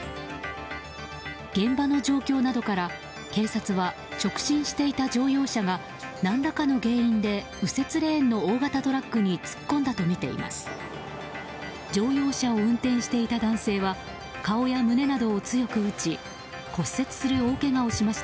現場の状況などから警察は直進していた乗用車が何らかの原因で右折レーンの大型トラックに突っ込んだとみています。